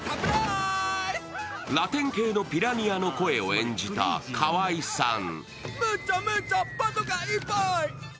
ラテン系のピラニアの声を演じた河合さん。